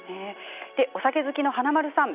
お酒好きの華丸さん